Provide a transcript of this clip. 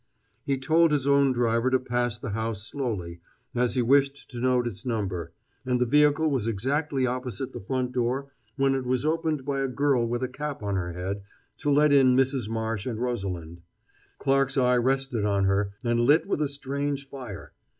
He told his own driver to pass the house slowly, as he wished to note its number, and the vehicle was exactly opposite the front door when it was opened by a girl with a cap on her head to let in Mrs. Marsh and Rosalind; Clarke's eye rested on her, and lit with a strange fire.